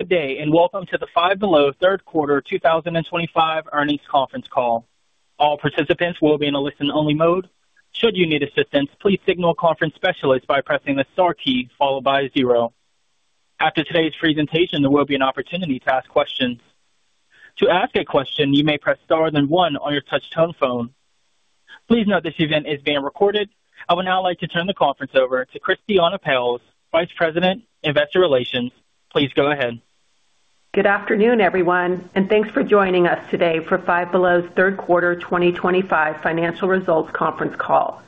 Good day, and welcome to the Five Below third quarter 2025 earnings conference call. All participants will be in a listen-only mode. Should you need assistance, please signal conference specialists by pressing the star key followed by a zero. After today's presentation, there will be an opportunity to ask questions. To ask a question, you may press star then one on your touch-tone phone. Please note this event is being recorded. I would now like to turn the conference over to Christiane Pelz, Vice President, Investor Relations. Please go ahead. Good afternoon, everyone, and thanks for joining us today for Five Below's third quarter 2025 financial results conference call.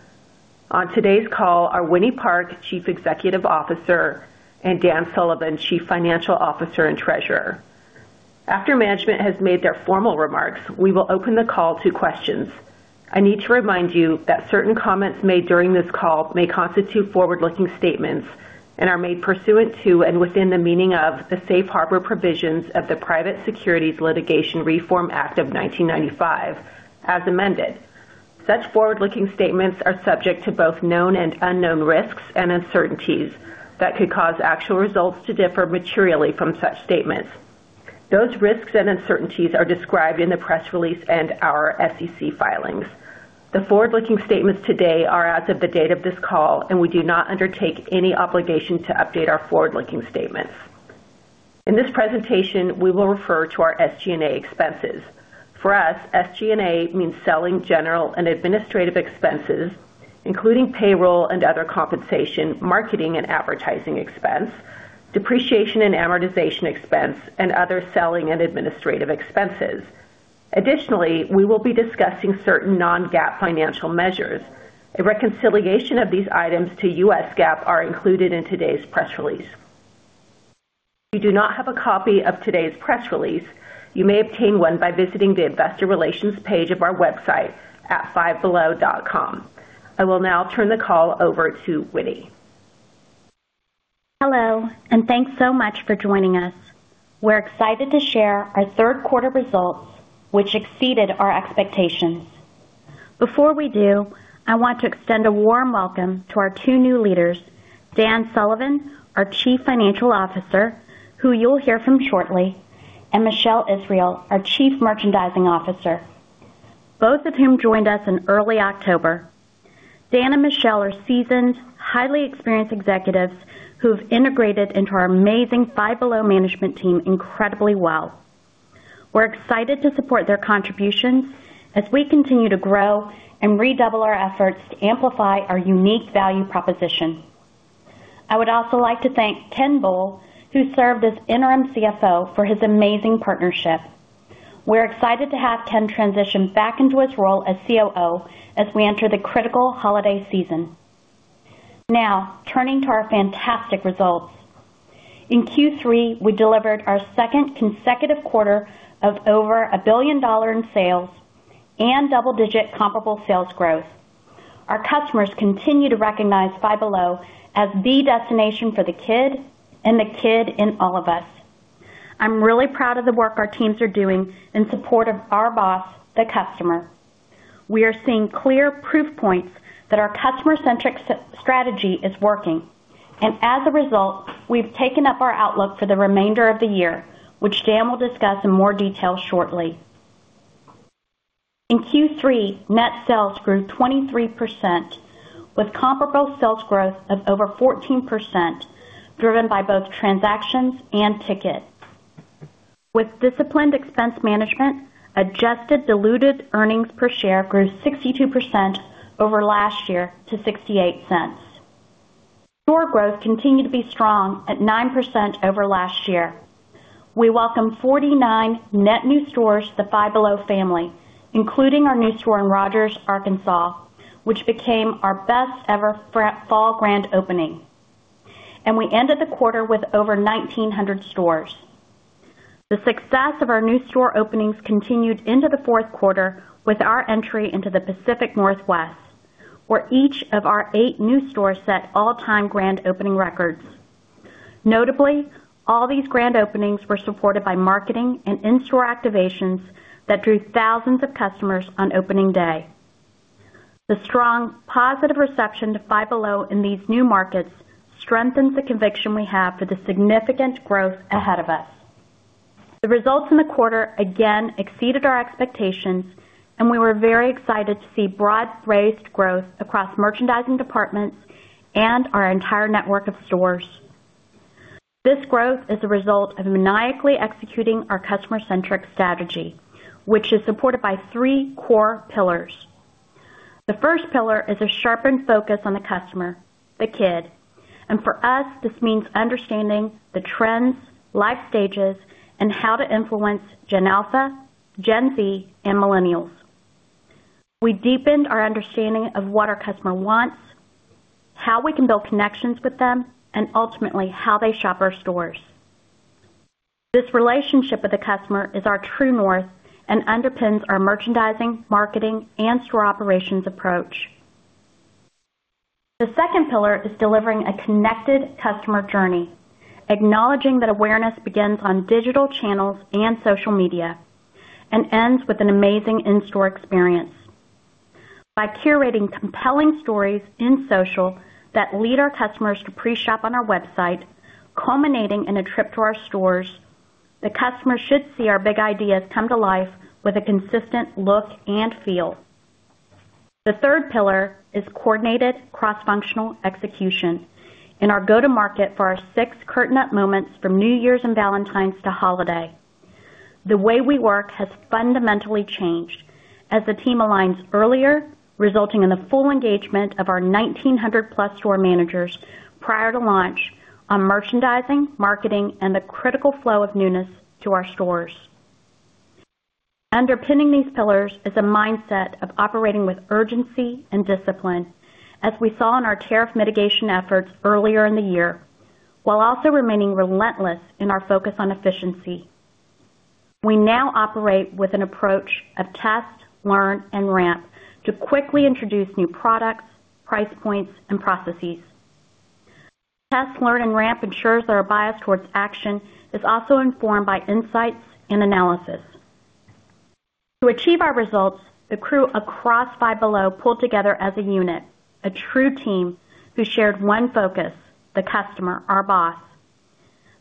On today's call are Winnie Park, Chief Executive Officer, and Dan Sullivan, Chief Financial Officer and Treasurer. After management has made their formal remarks, we will open the call to questions. I need to remind you that certain comments made during this call may constitute forward-looking statements and are made pursuant to and within the meaning of the safe harbor provisions of the Private Securities Litigation Reform Act of 1995, as amended. Such forward-looking statements are subject to both known and unknown risks and uncertainties that could cause actual results to differ materially from such statements. Those risks and uncertainties are described in the press release and our SEC filings. The forward-looking statements today are as of the date of this call, and we do not undertake any obligation to update our forward-looking statements. In this presentation, we will refer to our SG&A expenses. For us, SG&A means selling, general, and administrative expenses, including payroll and other compensation, marketing and advertising expense, depreciation and amortization expense, and other selling and administrative expenses. Additionally, we will be discussing certain non-GAAP financial measures. A reconciliation of these items to U.S. GAAP is included in today's press release. If you do not have a copy of today's press release, you may obtain one by visiting the Investor Relations page of our website at fivebelow.com. I will now turn the call over to Winnie. Hello, and thanks so much for joining us. We're excited to share our third quarter results, which exceeded our expectations. Before we do, I want to extend a warm welcome to our two new leaders, Dan Sullivan, our Chief Financial Officer, who you'll hear from shortly, and Michelle Israel, our Chief Merchandising Officer, both of whom joined us in early October. Dan and Michelle are seasoned, highly experienced executives who have integrated into our amazing Five Below management team incredibly well. We're excited to support their contributions as we continue to grow and redouble our efforts to amplify our unique value proposition. I would also like to thank Ken Bull, who served as interim CFO for his amazing partnership. We're excited to have Ken transition back into his role as COO as we enter the critical holiday season. Now, turning to our fantastic results. In Q3, we delivered our second consecutive quarter of over $1 billion in sales and double-digit comparable sales growth. Our customers continue to recognize Five Below as the destination for the kid and the kid in all of us. I'm really proud of the work our teams are doing in support of our boss, the customer. We are seeing clear proof points that our customer-centric strategy is working. And as a result, we've taken up our outlook for the remainder of the year, which Dan will discuss in more detail shortly. In Q3, net sales grew 23%, with comparable sales growth of over 14%, driven by both transactions and tickets. With disciplined expense management, adjusted diluted earnings per share grew 62% over last year to $0.68. Store growth continued to be strong at 9% over last year. We welcomed 49 net new stores to the Five Below family, including our new store in Rogers, Arkansas, which became our best-ever fall grand opening. And we ended the quarter with over 1,900 stores. The success of our new store openings continued into the fourth quarter with our entry into the Pacific Northwest, where each of our eight new stores set all-time grand opening records. Notably, all these grand openings were supported by marketing and in-store activations that drew thousands of customers on opening day. The strong, positive reception to Five Below in these new markets strengthens the conviction we have for the significant growth ahead of us. The results in the quarter again exceeded our expectations, and we were very excited to see broad-based growth across merchandising departments and our entire network of stores. This growth is a result of maniacally executing our customer-centric strategy, which is supported by three core pillars. The first pillar is a sharpened focus on the customer, the kid, and for us, this means understanding the trends, life stages, and how to influence Gen Alpha, Gen Z, and Millennials. We deepened our understanding of what our customer wants, how we can build connections with them, and ultimately how they shop our stores. This relationship with the customer is our true north and underpins our merchandising, marketing, and store operations approach. The second pillar is delivering a connected customer journey, acknowledging that awareness begins on digital channels and social media and ends with an amazing in-store experience. By curating compelling stories in social that lead our customers to pre-shop on our website, culminating in a trip to our stores, the customer should see our big ideas come to life with a consistent look and feel. The third pillar is coordinated cross-functional execution in our go-to-market for our six cornerstone moments from New Year's and Valentine's to holiday. The way we work has fundamentally changed as the team aligns earlier, resulting in the full engagement of our 1,900-plus store managers prior to launch on merchandising, marketing, and the critical flow of newness to our stores. Underpinning these pillars is a mindset of operating with urgency and discipline, as we saw in our tariff mitigation efforts earlier in the year, while also remaining relentless in our focus on efficiency. We now operate with an approach of test, learn, and ramp to quickly introduce new products, price points, and processes. Test, learn, and ramp ensures that our bias towards action is also informed by insights and analysis. To achieve our results, the crew across Five Below pulled together as a unit, a true team who shared one focus: the customer, our boss.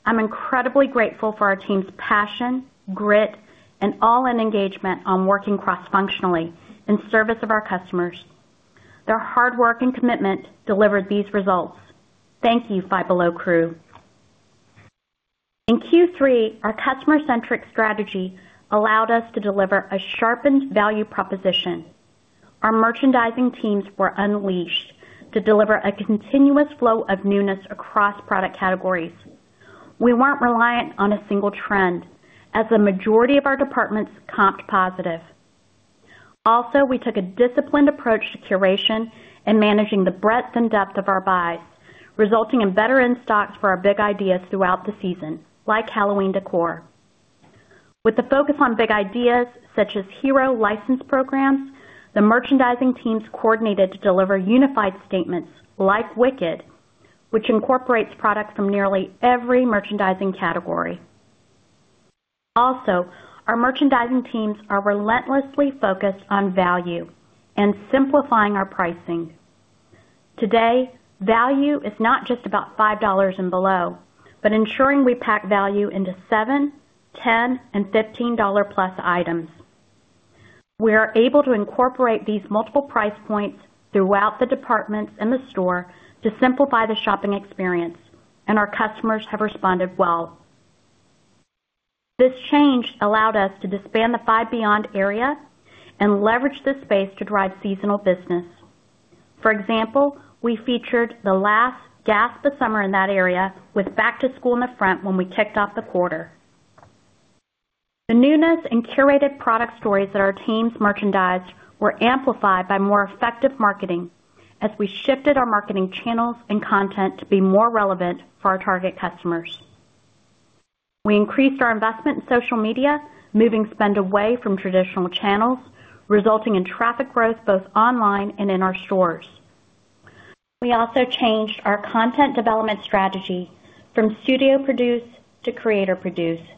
I'm incredibly grateful for our team's passion, grit, and all-in engagement on working cross-functionally in service of our customers. Their hard work and commitment delivered these results. Thank you, Five Below crew. In Q3, our customer-centric strategy allowed us to deliver a sharpened value proposition. Our merchandising teams were unleashed to deliver a continuous flow of newness across product categories. We weren't reliant on a single trend, as the majority of our departments comped positive. Also, we took a disciplined approach to curation and managing the breadth and depth of our buys, resulting in better in-stocks for our big ideas throughout the season, like Halloween decor. With the focus on big ideas such as hero licensed programs, the merchandising teams coordinated to deliver unified statements like Wicked, which incorporates products from nearly every merchandising category. Also, our merchandising teams are relentlessly focused on value and simplifying our pricing. Today, value is not just about $5 and below, but ensuring we pack value into $7, $10, and $15-plus items. We are able to incorporate these multiple price points throughout the departments and the store to simplify the shopping experience, and our customers have responded well. This change allowed us to disband the Five Beyond area and leverage this space to drive seasonal business. For example, we featured the Last Gasp of Summer in that area with Back to School in the front when we kicked off the quarter. The newness and curated product stories that our teams merchandised were amplified by more effective marketing as we shifted our marketing channels and content to be more relevant for our target customers. We increased our investment in social media, moving spend away from traditional channels, resulting in traffic growth both online and in our stores. We also changed our content development strategy from studio-produced to creator-produced,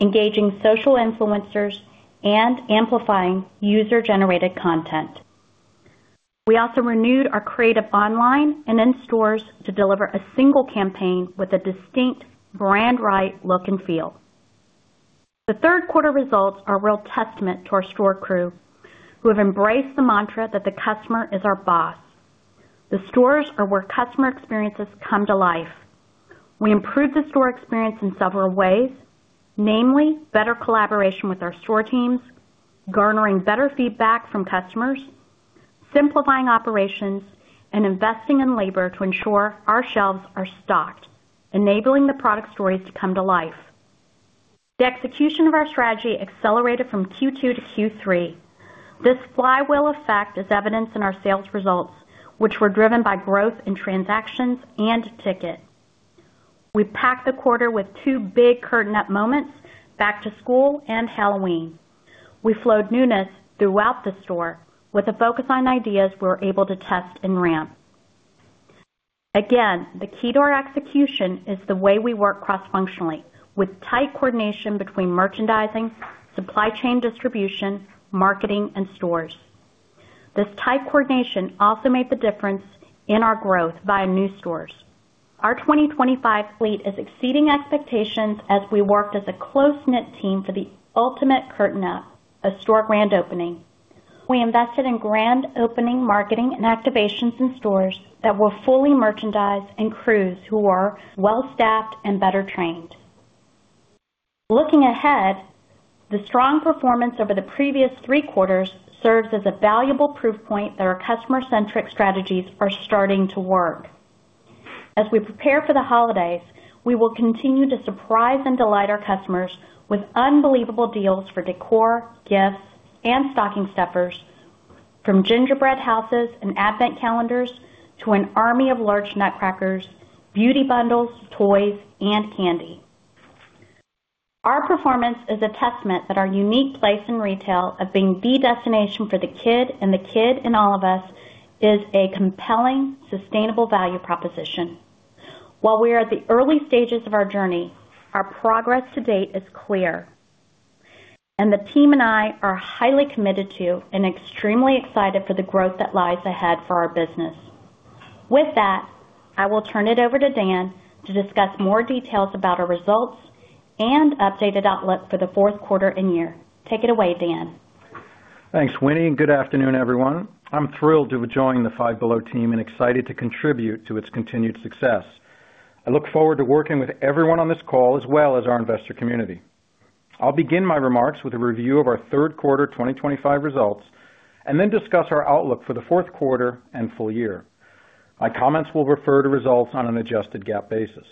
engaging social influencers and amplifying user-generated content. We also renewed our creative online and in-stores to deliver a single campaign with a distinct brand-right look and feel. The third quarter results are a real testament to our store crew, who have embraced the mantra that the customer is our boss. The stores are where customer experiences come to life. We improved the store experience in several ways, namely better collaboration with our store teams, garnering better feedback from customers, simplifying operations, and investing in labor to ensure our shelves are stocked, enabling the product stories to come to life. The execution of our strategy accelerated from Q2 to Q3. This flywheel effect is evident in our sales results, which were driven by growth in transactions and ticket. We packed the quarter with two big event moments: Back to School and Halloween. We flowed newness throughout the store with a focus on ideas we were able to test and ramp. Again, the key to our execution is the way we work cross-functionally, with tight coordination between merchandising, supply chain distribution, marketing, and stores. This tight coordination also made the difference in our growth via new stores. Our 2025 fleet is exceeding expectations as we worked as a close-knit team for the ultimate holiday store grand opening. We invested in grand opening marketing and activations in stores that will fully merchandise and crew who are well-staffed and better trained. Looking ahead, the strong performance over the previous three quarters serves as a valuable proof point that our customer-centric strategies are starting to work. As we prepare for the holidays, we will continue to surprise and delight our customers with unbelievable deals for decor, gifts, and stocking stuffers, from gingerbread houses and advent calendars to an army of large nutcrackers, beauty bundles, toys, and candy. Our performance is a testament that our unique place in retail of being the destination for the kid and the kid in all of us is a compelling, sustainable value proposition. While we are at the early stages of our journey, our progress to date is clear, and the team and I are highly committed to and extremely excited for the growth that lies ahead for our business. With that, I will turn it over to Dan to discuss more details about our results and updated outlook for the fourth quarter and year. Take it away, Dan. Thanks, Winnie, and good afternoon, everyone. I'm thrilled to join the Five Below team and excited to contribute to its continued success. I look forward to working with everyone on this call, as well as our investor community. I'll begin my remarks with a review of our third quarter 2025 results and then discuss our outlook for the fourth quarter and full year. My comments will refer to results on an adjusted non-GAAP basis.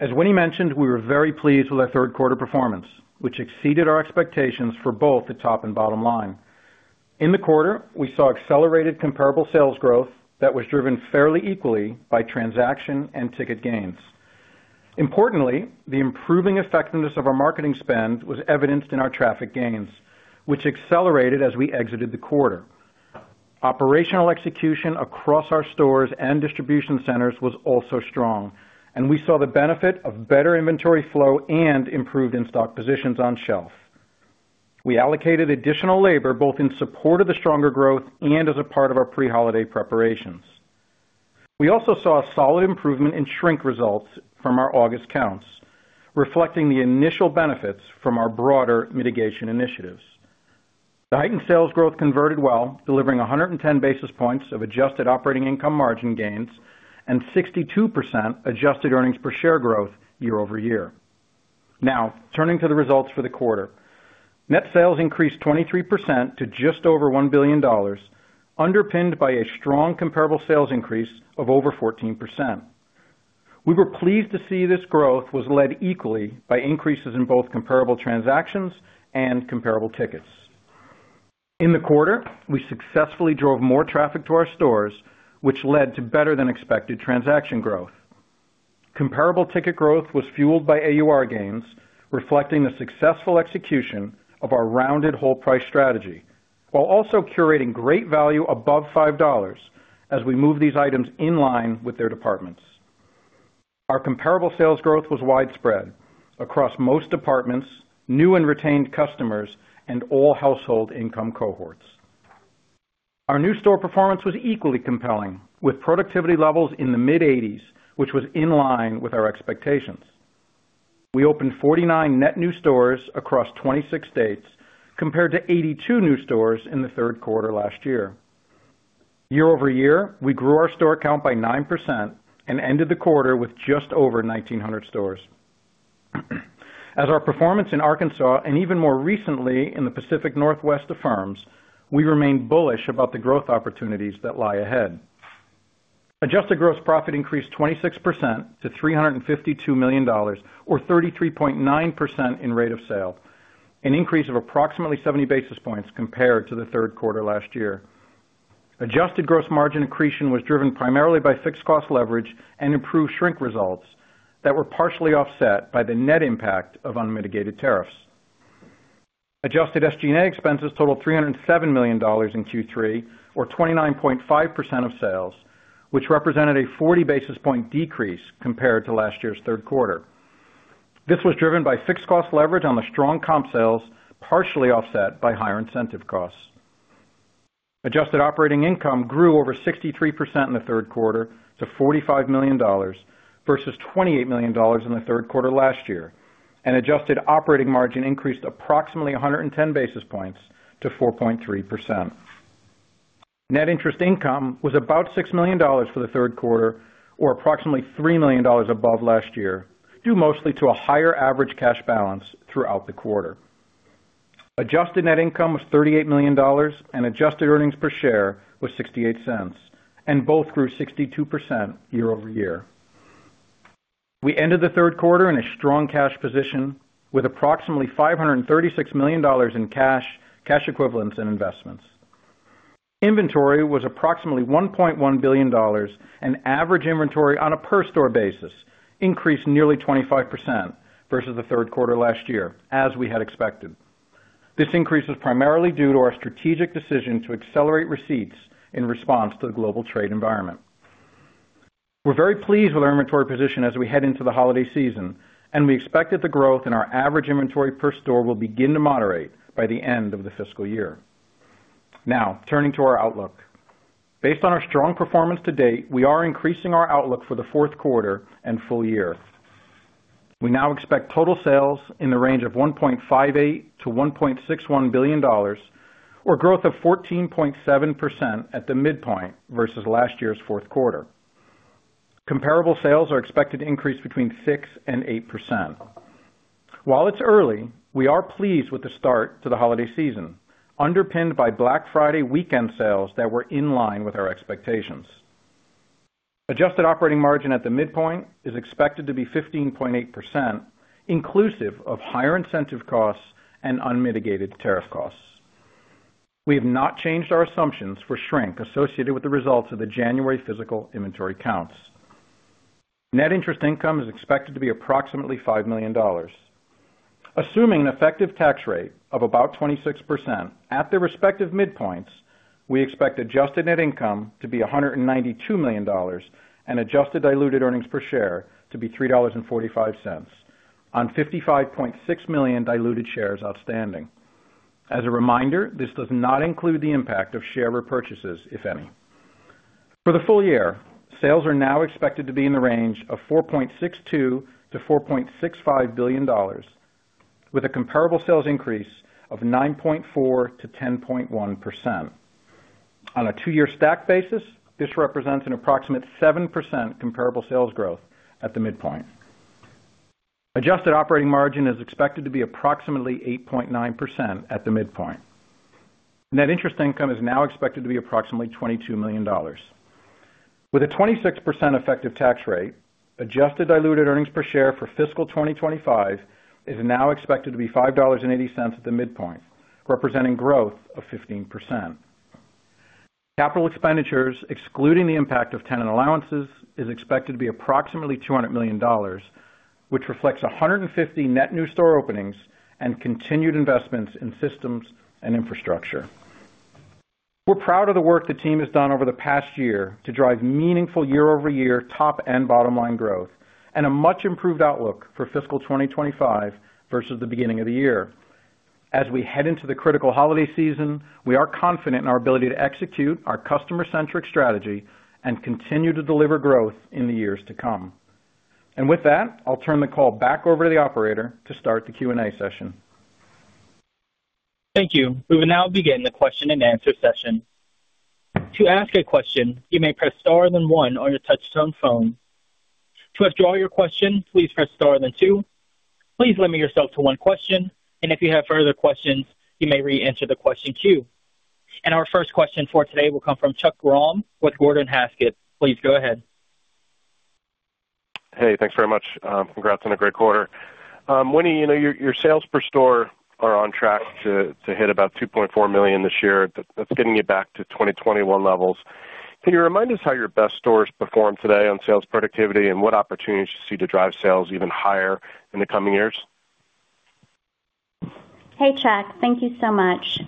As Winnie mentioned, we were very pleased with our third quarter performance, which exceeded our expectations for both the top and bottom line. In the quarter, we saw accelerated comparable sales growth that was driven fairly equally by transaction and ticket gains. Importantly, the improving effectiveness of our marketing spend was evidenced in our traffic gains, which accelerated as we exited the quarter. Operational execution across our stores and distribution centers was also strong, and we saw the benefit of better inventory flow and improved in-stock positions on shelf. We allocated additional labor both in support of the stronger growth and as a part of our pre-holiday preparations. We also saw a solid improvement in shrink results from our August counts, reflecting the initial benefits from our broader mitigation initiatives. The heightened sales growth converted well, delivering 110 basis points of adjusted operating income margin gains and 62% adjusted earnings per share growth year-over-year. Now, turning to the results for the quarter, net sales increased 23% to just over $1 billion, underpinned by a strong comparable sales increase of over 14%. We were pleased to see this growth was led equally by increases in both comparable transactions and comparable tickets. In the quarter, we successfully drove more traffic to our stores, which led to better-than-expected transaction growth. Comparable ticket growth was fueled by AUR gains, reflecting the successful execution of our rounded whole price strategy, while also curating great value above $5 as we moved these items in line with their departments. Our comparable sales growth was widespread across most departments, new and retained customers, and all household income cohorts. Our new store performance was equally compelling, with productivity levels in the mid-80s, which was in line with our expectations. We opened 49 net new stores across 26 states, compared to 82 new stores in the third quarter last year. Year-over-year, we grew our store count by 9% and ended the quarter with just over 1,900 stores. As our performance in Arkansas and even more recently in the Pacific Northwest affirms, we remained bullish about the growth opportunities that lie ahead. Adjusted gross profit increased 26% to $352 million, or 33.9% in rate of sale, an increase of approximately 70 basis points compared to the third quarter last year. Adjusted gross margin accretion was driven primarily by fixed-cost leverage and improved shrink results that were partially offset by the net impact of unmitigated tariffs. Adjusted SG&A expenses totaled $307 million in Q3, or 29.5% of sales, which represented a 40-basis-point decrease compared to last year's third quarter. This was driven by fixed-cost leverage on the strong comp sales, partially offset by higher incentive costs. Adjusted operating income grew over 63% in the third quarter to $45 million versus $28 million in the third quarter last year, and adjusted operating margin increased approximately 110 basis points to 4.3%. Net interest income was about $6 million for the third quarter, or approximately $3 million above last year, due mostly to a higher average cash balance throughout the quarter. Adjusted net income was $38 million, and adjusted earnings per share was $0.68, and both grew 62% year-over-year. We ended the third quarter in a strong cash position with approximately $536 million in cash, cash equivalents, and investments. Inventory was approximately $1.1 billion. Average inventory on a per-store basis increased nearly 25% versus the third quarter last year, as we had expected. This increase was primarily due to our strategic decision to accelerate receipts in response to the global trade environment. We're very pleased with our inventory position as we head into the holiday season, and we expect that the growth in our average inventory per store will begin to moderate by the end of the fiscal year. Now, turning to our outlook. Based on our strong performance to date, we are increasing our outlook for the fourth quarter and full year. We now expect total sales in the range of $1.58 billion-$1.61 billion, or growth of 14.7% at the midpoint versus last year's fourth quarter. Comparable sales are expected to increase between 6% and 8%. While it's early, we are pleased with the start to the holiday season, underpinned by Black Friday weekend sales that were in line with our expectations. Adjusted operating margin at the midpoint is expected to be 15.8%, inclusive of higher incentive costs and unmitigated tariff costs. We have not changed our assumptions for shrink associated with the results of the January physical inventory counts. Net interest income is expected to be approximately $5 million. Assuming an effective tax rate of about 26% at their respective midpoints, we expect adjusted net income to be $192 million and adjusted diluted earnings per share to be $3.45 on 55.6 million diluted shares outstanding. As a reminder, this does not include the impact of share repurchases, if any. For the full year, sales are now expected to be in the range of $4.62 billion-$4.65 billion, with a comparable sales increase of 9.4%-10.1%. On a two-year stack basis, this represents an approximate 7% comparable sales growth at the midpoint. Adjusted operating margin is expected to be approximately 8.9% at the midpoint. Net interest income is now expected to be approximately $22 million. With a 26% effective tax rate, adjusted diluted earnings per share for Fiscal 2025 is now expected to be $5.80 at the midpoint, representing growth of 15%. Capital expenditures, excluding the impact of tenant allowances, are expected to be approximately $200 million, which reflects 150 net new store openings and continued investments in systems and infrastructure. We're proud of the work the team has done over the past year to drive meaningful year-over-year top and bottom-line growth and a much-improved outlook for Fiscal 2025 versus the beginning of the year. As we head into the critical holiday season, we are confident in our ability to execute our customer-centric strategy and continue to deliver growth in the years to come. And with that, I'll turn the call back over to the operator to start the Q&A session. Thank you. We will now begin the question-and-answer session. To ask a question, you may press star, then one on your touch-tone phone. To withdraw your question, please press star, then two. Please limit yourself to one question, and if you have further questions, you may re-enter the question queue. Our first question for today will come from Chuck Grom with Gordon Haskett. Please go ahead. Hey, thanks very much. Congrats on a great quarter. Winnie, your sales per store are on track to hit about $2.4 million this year. That's getting you back to 2021 levels. Can you remind us how your best stores performed today on sales productivity and what opportunities you see to drive sales even higher in the coming years? Hey, Chuck. Thank you so much.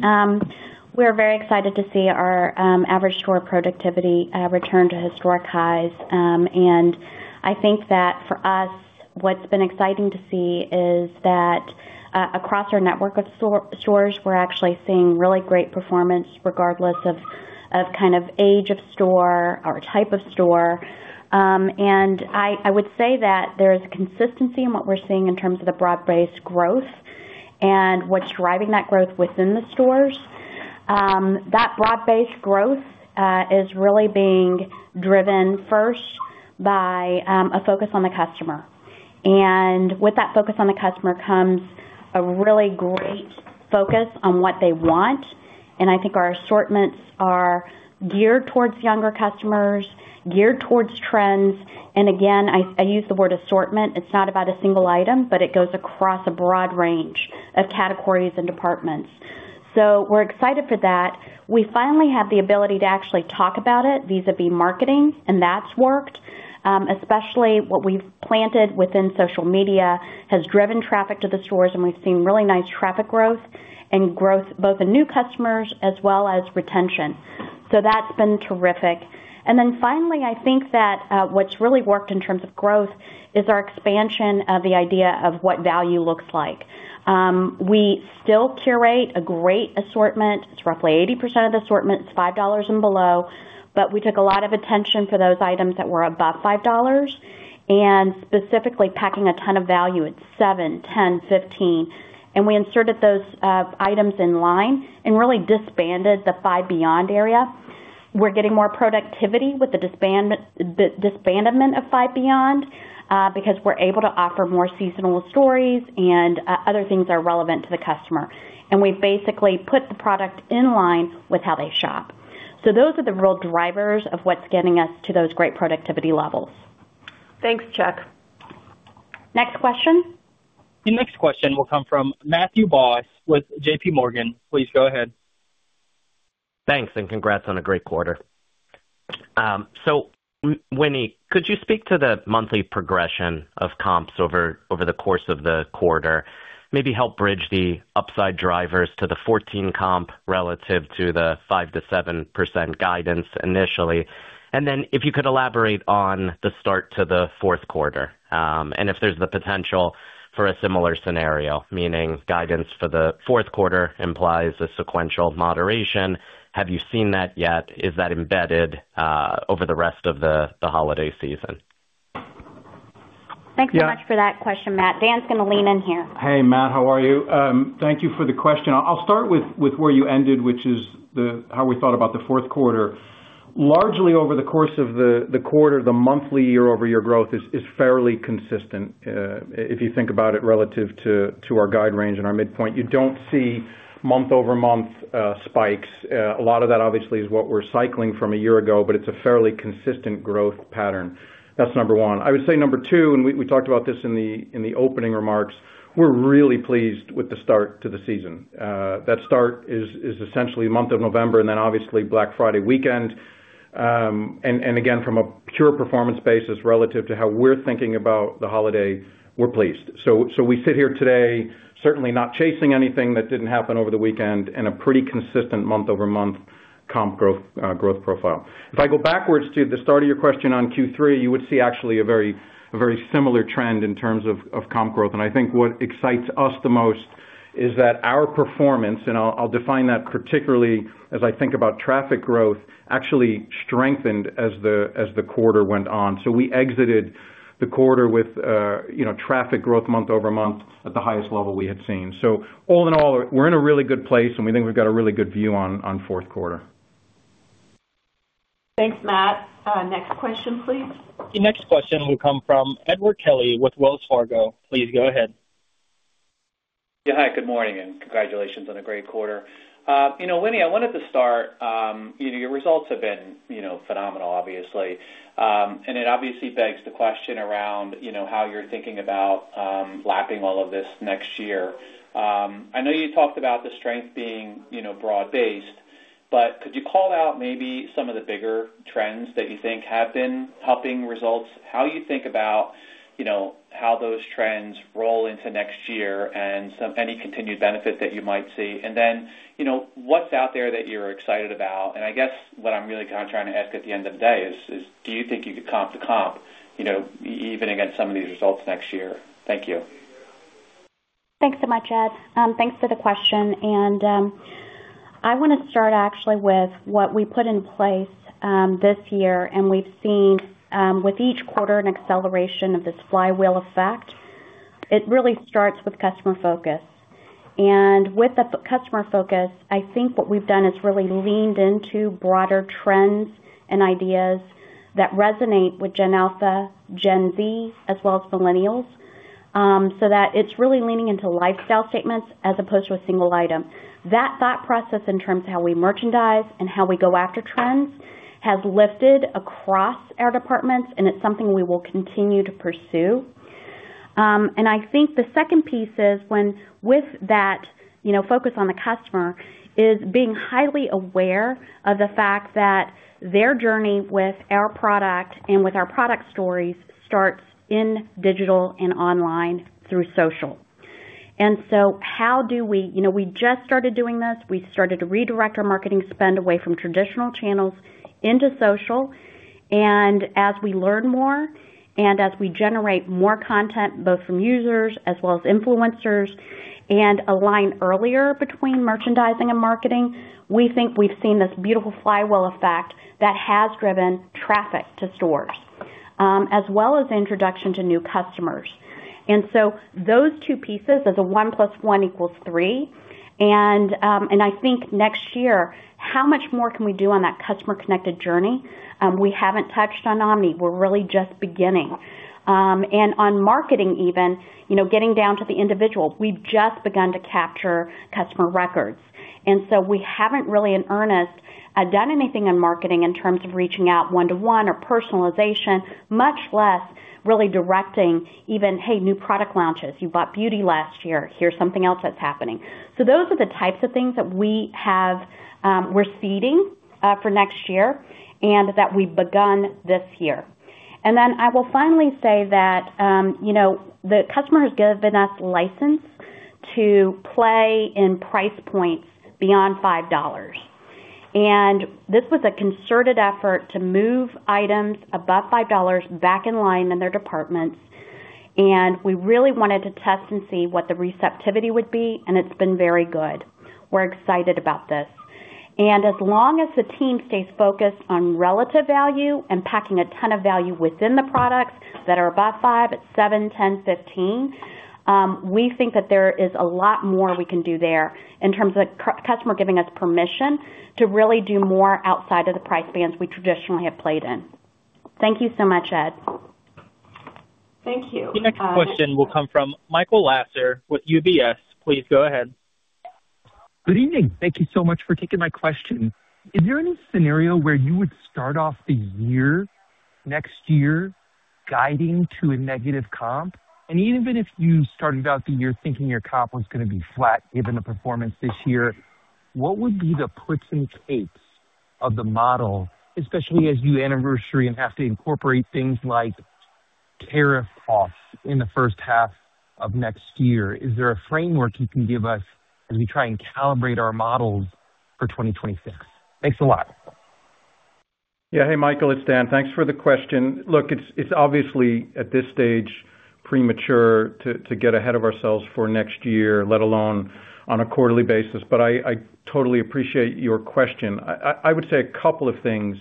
We're very excited to see our average store productivity return to historic highs. And I think that for us, what's been exciting to see is that across our network of stores, we're actually seeing really great performance regardless of kind of age of store or type of store. And I would say that there is consistency in what we're seeing in terms of the broad-based growth and what's driving that growth within the stores. That broad-based growth is really being driven first by a focus on the customer. And with that focus on the customer comes a really great focus on what they want. And I think our assortments are geared towards younger customers, geared towards trends. And again, I use the word assortment. It's not about a single item, but it goes across a broad range of categories and departments. So we're excited for that. We finally have the ability to actually talk about it vis-à-vis marketing, and that's worked. Especially what we've planted within social media has driven traffic to the stores, and we've seen really nice traffic growth and growth, both in new customers as well as retention. So that's been terrific. And then finally, I think that what's really worked in terms of growth is our expansion of the idea of what value looks like. We still curate a great assortment. It's roughly 80% of the assortments, $5 and below, but we took a lot of attention for those items that were above $5 and specifically packing a ton of value at $7, $10, $15. And we inserted those items in line and really disbanded the Five Beyond area. We're getting more productivity with the disbandment of Five Beyond because we're able to offer more seasonal stories and other things that are relevant to the customer. And we've basically put the product in line with how they shop. So those are the real drivers of what's getting us to those great productivity levels. Thanks, Chuck. Next question. Your next question will come from Matthew Boss with J.P. Morgan. Please go ahead. Thanks, and congrats on a great quarter. So Winnie, could you speak to the monthly progression of comps over the course of the quarter, maybe help bridge the upside drivers to the 14% comp relative to the 5%-7% guidance initially? And then if you could elaborate on the start to the fourth quarter and if there's the potential for a similar scenario, meaning guidance for the fourth quarter implies a sequential moderation. Have you seen that yet? Is that embedded over the rest of the holiday season? Thanks so much for that question, Matt. Dan's going to lean in here. Hey, Matt. How are you? Thank you for the question. I'll start with where you ended, which is how we thought about the fourth quarter. Largely over the course of the quarter, the monthly year-over-year growth is fairly consistent if you think about it relative to our guide range and our midpoint. You don't see month-over-month spikes. A lot of that, obviously, is what we're cycling from a year ago, but it's a fairly consistent growth pattern. That's number one. I would say number two, and we talked about this in the opening remarks, we're really pleased with the start to the season. That start is essentially the month of November and then, obviously, Black Friday weekend. And again, from a pure performance basis relative to how we're thinking about the holiday, we're pleased. So we sit here today, certainly not chasing anything that didn't happen over the weekend, and a pretty consistent month-over-month comp growth profile. If I go backwards to the start of your question on Q3, you would see actually a very similar trend in terms of comp growth. And I think what excites us the most is that our performance (and I'll define that particularly as I think about traffic growth) actually strengthened as the quarter went on. So we exited the quarter with traffic growth month-over-month at the highest level we had seen. So all in all, we're in a really good place, and we think we've got a really good view on fourth quarter. Thanks, Matt. Next question, please. Your next question will come from Edward Kelly with Wells Fargo. Please go ahead. Yeah, hi. Good morning and congratulations on a great quarter. Winnie, I wanted to start. Your results have been phenomenal, obviously. And it obviously begs the question around how you're thinking about wrapping all of this next year. I know you talked about the strength being broad-based, but could you call out maybe some of the bigger trends that you think have been helping results? How you think about how those trends roll into next year and any continued benefit that you might see? And then what's out there that you're excited about? And I guess what I'm really kind of trying to ask at the end of the day is, do you think you could comp the comp even against some of these results next year? Thank you. Thanks so much, Ed. Thanks for the question. And I want to start actually with what we put in place this year, and we've seen with each quarter an acceleration of this flywheel effect. It really starts with customer focus. And with the customer focus, I think what we've done is really leaned into broader trends and ideas that resonate with Gen Alpha, Gen Z, as well as Millennials, so that it's really leaning into lifestyle statements as opposed to a single item. That thought process in terms of how we merchandise and how we go after trends has lifted across our departments, and it's something we will continue to pursue. And I think the second piece is when with that focus on the customer is being highly aware of the fact that their journey with our product and with our product stories starts in digital and online through social. And so, how do we? We just started doing this. We started to redirect our marketing spend away from traditional channels into social. And as we learn more and as we generate more content, both from users as well as influencers, and align earlier between merchandising and marketing, we think we've seen this beautiful flywheel effect that has driven traffic to stores as well as introduction to new customers. And so those two pieces as a one plus one equals three. And I think next year, how much more can we do on that customer-connected journey? We haven't touched on omni. We're really just beginning. And on marketing, even getting down to the individual, we've just begun to capture customer records. And so we haven't really in earnest done anything in marketing in terms of reaching out one-to-one or personalization, much less really directing even, "Hey, new product launches. You bought beauty last year. Here's something else that's happening." So those are the types of things that we have, we're seeding for next year and that we've begun this year. And then I will finally say that the customer has given us license to play in price points beyond $5. And this was a concerted effort to move items above $5 back in line in their departments. And we really wanted to test and see what the receptivity would be, and it's been very good. We're excited about this. And as long as the team stays focused on relative value and packing a ton of value within the products that are above $5 at $7, $10, $15, we think that there is a lot more we can do there in terms of customer giving us permission to really do more outside of the price bands we traditionally have played in. Thank you so much, Ed. Thank you. Your next question will come from Michael Lasser with UBS. Please go ahead. Good evening. Thank you so much for taking my question. Is there any scenario where you would start off the year next year guiding to a negative comp? And even if you started out the year thinking your comp was going to be flat given the performance this year, what would be the puts and takes of the model, especially as you anniversary and have to incorporate things like tariff costs in the first half of next year? Is there a framework you can give us as we try and calibrate our models for 2026? Thanks a lot. Yeah. Hey, Michael. It's Dan. Thanks for the question. Look, it's obviously at this stage premature to get ahead of ourselves for next year, let alone on a quarterly basis, but I totally appreciate your question. I would say a couple of things.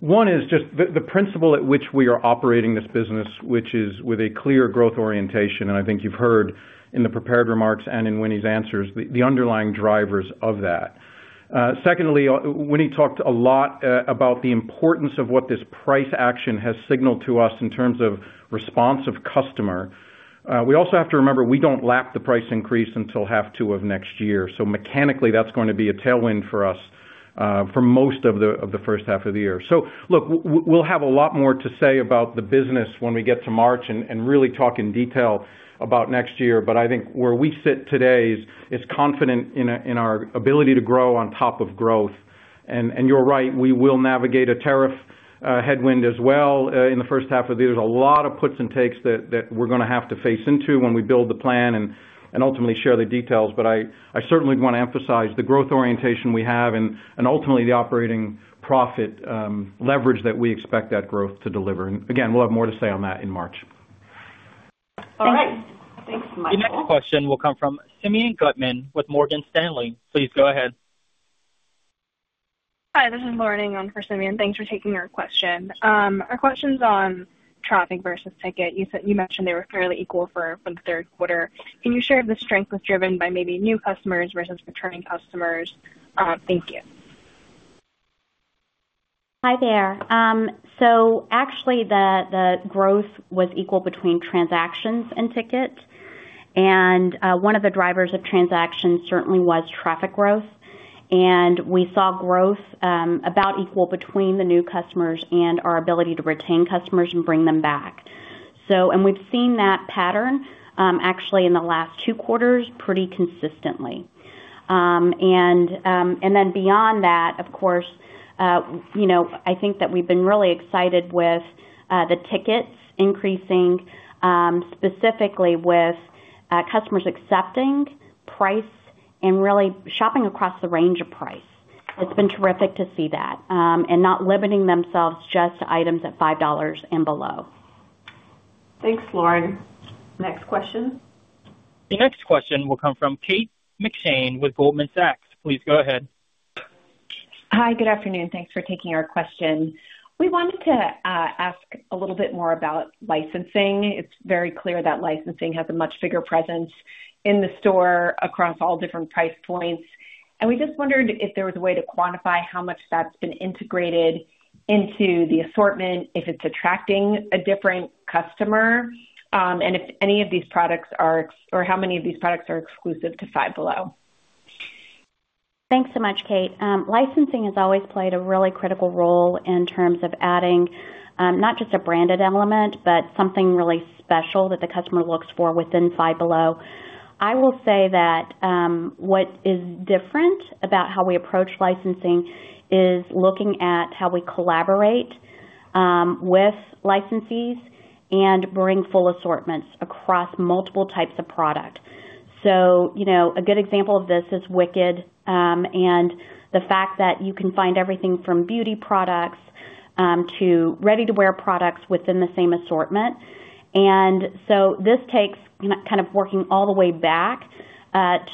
One is just the principle at which we are operating this business, which is with a clear growth orientation, and I think you've heard in the prepared remarks and in Winnie's answers, the underlying drivers of that. Secondly, Winnie talked a lot about the importance of what this price action has signaled to us in terms of response of customer. We also have to remember we don't lap the price increase until half two of next year, so mechanically, that's going to be a tailwind for us for most of the first half of the year. So look, we'll have a lot more to say about the business when we get to March and really talk in detail about next year. But I think where we sit today is confident in our ability to grow on top of growth. And you're right, we will navigate a tariff headwind as well in the first half of the year. There's a lot of puts and takes that we're going to have to face into when we build the plan and ultimately share the details. But I certainly want to emphasize the growth orientation we have and ultimately the operating profit leverage that we expect that growth to deliver. And again, we'll have more to say on that in March. All right. Thanks, Michael. Your next question will come from Simeon Gutman with Morgan Stanley. Please go ahead. Hi. This is Lauren for Simeon. Thanks for taking our question. Our question's on traffic versus ticket. You mentioned they were fairly equal for the third quarter. Can you share if the strength was driven by maybe new customers versus returning customers? Thank you. Hi there. So actually, the growth was equal between transactions and tickets. And one of the drivers of transactions certainly was traffic growth. And we saw growth about equal between the new customers and our ability to retain customers and bring them back. And we've seen that pattern actually in the last two quarters pretty consistently. And then beyond that, of course, I think that we've been really excited with the tickets increasing, specifically with customers accepting price and really shopping across the range of price. It's been terrific to see that and not limiting themselves just to items at $5 and below. Thanks, Lauren. Next question. Your next question will come from Kate McShane with Goldman Sachs. Please go ahead. Hi. Good afternoon. Thanks for taking our question. We wanted to ask a little bit more about licensing. It's very clear that licensing has a much bigger presence in the store across all different price points. And we just wondered if there was a way to quantify how much that's been integrated into the assortment, if it's attracting a different customer, and if any of these products are or how many of these products are exclusive to Five Below? Thanks so much, Kate. Licensing has always played a really critical role in terms of adding not just a branded element, but something really special that the customer looks for within Five Below. I will say that what is different about how we approach licensing is looking at how we collaborate with licensees and bring full assortments across multiple types of product. So a good example of this is Wicked and the fact that you can find everything from beauty products to ready-to-wear products within the same assortment. And so this takes kind of working all the way back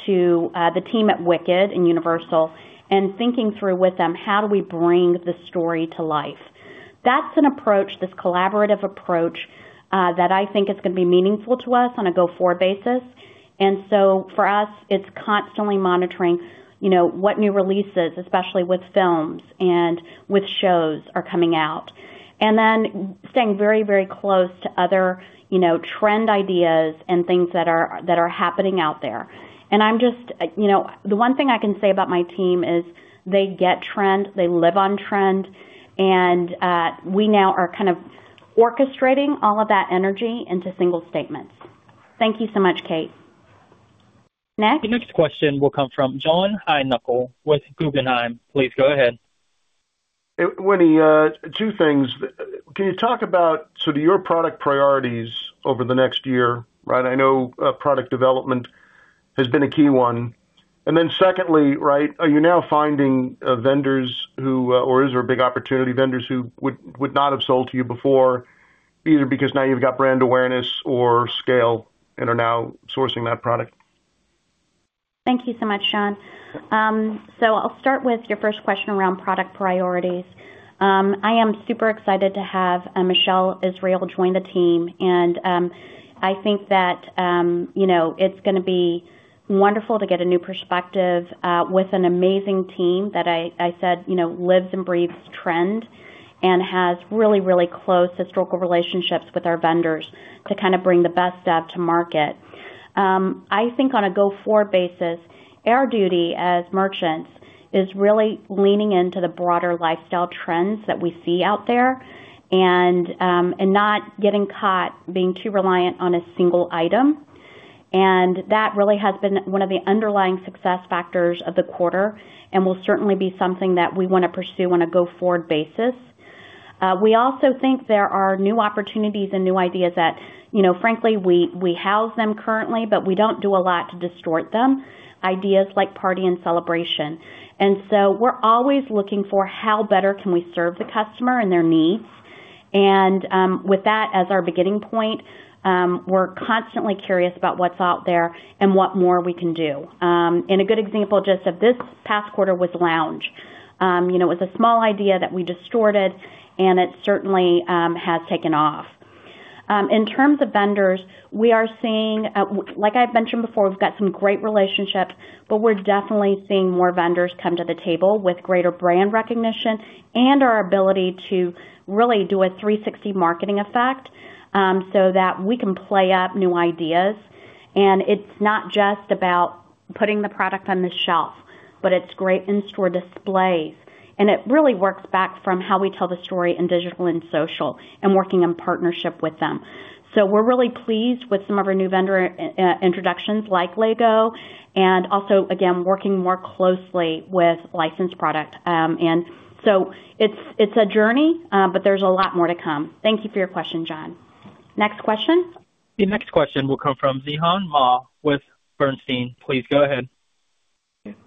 to the team at Wicked and Universal and thinking through with them, "How do we bring the story to life?" That's an approach, this collaborative approach, that I think is going to be meaningful to us on a go-forward basis. And so for us, it's constantly monitoring what new releases, especially with films and with shows, are coming out. And then staying very, very close to other trend ideas and things that are happening out there. And the one thing I can say about my team is they get trend. They live on trend. And we now are kind of orchestrating all of that energy into single statements. Thank you so much, Kate. Next. Your next question will come from John Heinbockel with Guggenheim. Please go ahead. Winnie, two things. Can you talk about sort of your product priorities over the next year? I know product development has been a key one. And then secondly, are you now finding vendors who, or is there a big opportunity, vendors who would not have sold to you before, either because now you've got brand awareness or scale and are now sourcing that product? Thank you so much, John, so I'll start with your first question around product priorities. I am super excited to have Michelle Israel join the team, and I think that it's going to be wonderful to get a new perspective with an amazing team that I said lives and breathes trend and has really, really close historical relationships with our vendors to kind of bring the best stuff to market. I think on a go-forward basis, our duty as merchants is really leaning into the broader lifestyle trends that we see out there and not getting caught being too reliant on a single item, and that really has been one of the underlying success factors of the quarter and will certainly be something that we want to pursue on a go-forward basis. We also think there are new opportunities and new ideas that, frankly, we host them currently, but we don't do a lot to test them. Ideas like party and celebration. And so we're always looking for how better can we serve the customer and their needs. And with that as our beginning point, we're constantly curious about what's out there and what more we can do. And a good example just of this past quarter was lounge. It was a small idea that we tested, and it certainly has taken off. In terms of vendors, we are seeing—like I've mentioned before, we've got some great relationships, but we're definitely seeing more vendors come to the table with greater brand recognition and our ability to really do a 360 marketing effect so that we can play up new ideas. And it's not just about putting the product on the shelf, but it's great in-store displays. And it really works back from how we tell the story in digital and social and working in partnership with them. So we're really pleased with some of our new vendor introductions like LEGO and also, again, working more closely with licensed product. And so it's a journey, but there's a lot more to come. Thank you for your question, John. Next question. Your next question will come from Zhihan Ma with Bernstein. Please go ahead.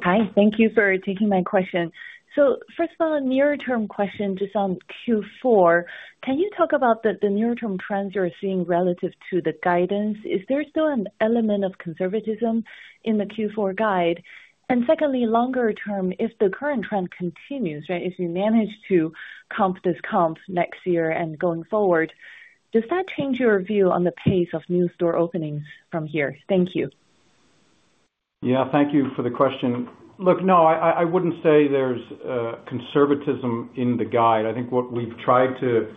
Hi. Thank you for taking my question. So first of all, a near-term question just on Q4. Can you talk about the near-term trends you're seeing relative to the guidance? Is there still an element of conservatism in the Q4 guide? And secondly, longer term, if the current trend continues, if you manage to comp this comp next year and going forward, does that change your view on the pace of new store openings from here? Thank you. Yeah. Thank you for the question. Look, no, I wouldn't say there's conservatism in the guide. I think what we've tried to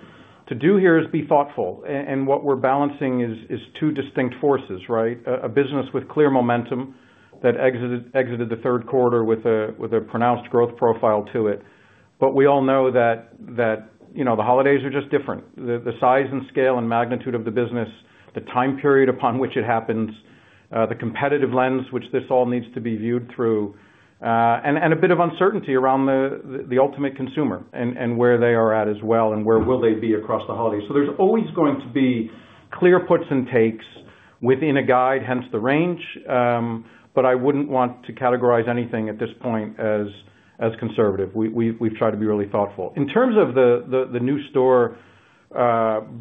do here is be thoughtful. And what we're balancing is two distinct forces, a business with clear momentum that exited the third quarter with a pronounced growth profile to it. But we all know that the holidays are just different. The size and scale and magnitude of the business, the time period upon which it happens, the competitive lens which this all needs to be viewed through, and a bit of uncertainty around the ultimate consumer and where they are at as well and where will they be across the holidays. So there's always going to be clear puts and takes within a guide, hence the range. But I wouldn't want to categorize anything at this point as conservative. We've tried to be really thoughtful. In terms of the new store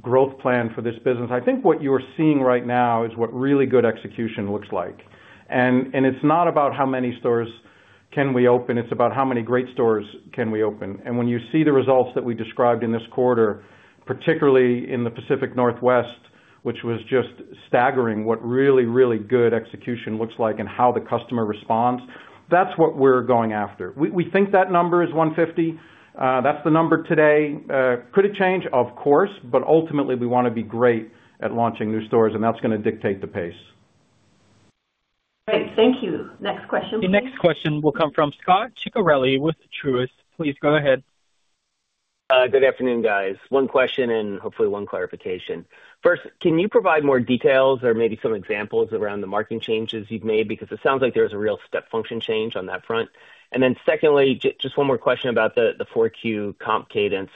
growth plan for this business, I think what you're seeing right now is what really good execution looks like, and it's not about how many stores can we open. It's about how many great stores can we open, and when you see the results that we described in this quarter, particularly in the Pacific Northwest, which was just staggering what really, really good execution looks like and how the customer responds, that's what we're going after. We think that number is 150. That's the number today. Could it change? Of course, but ultimately, we want to be great at launching new stores, and that's going to dictate the pace. Great. Thank you. Next question. Your next question will come from Scot Ciccarelli with Truist. Please go ahead. Good afternoon, guys. One question and hopefully one clarification. First, can you provide more details or maybe some examples around the marketing changes you've made? Because it sounds like there was a real step function change on that front. And then secondly, just one more question about the Q4 comp cadence.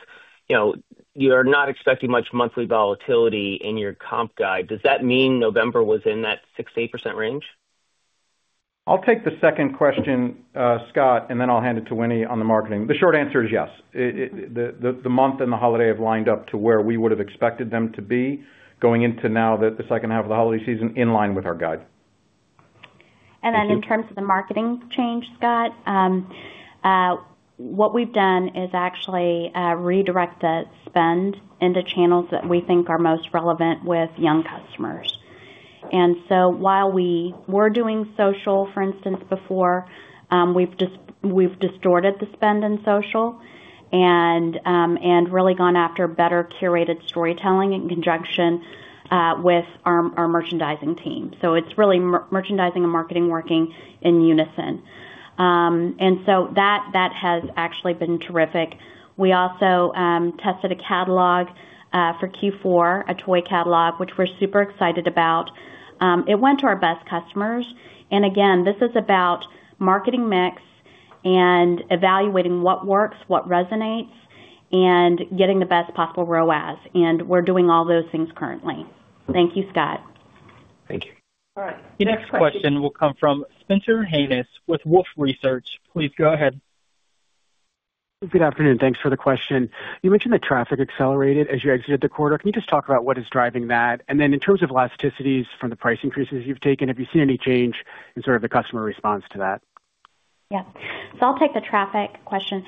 You are not expecting much monthly volatility in your comp guide. Does that mean November was in that 6%-8% range? I'll take the second question, Scot, and then I'll hand it to Winnie on the marketing. The short answer is yes. The month and the holiday have lined up to where we would have expected them to be going into now the second half of the holiday season in line with our guide. Then in terms of the marketing change, Scot, what we've done is actually redirect the spend into channels that we think are most relevant with young customers. So while we were doing social, for instance, before, we've distorted the spend in social and really gone after better curated storytelling in conjunction with our merchandising team. It's really merchandising and marketing working in unison. That has actually been terrific. We also tested a catalog for Q4, a toy catalog, which we're super excited about. It went to our best customers. Again, this is about marketing mix and evaluating what works, what resonates, and getting the best possible ROAS. We're doing all those things currently. Thank you, Scot. Thank you. All right. Your next question will come from Spencer Hanus with Wolfe Research. Please go ahead. Good afternoon. Thanks for the question. You mentioned that traffic accelerated as you exited the quarter. Can you just talk about what is driving that? And then in terms of elasticities from the price increases you've taken, have you seen any change in sort of the customer response to that? Yeah. So I'll take the traffic question.